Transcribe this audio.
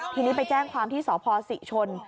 ทีนี้ไปแจ้งความที่สพศรีชน